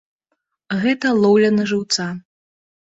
Гэта лоўля на жыўца.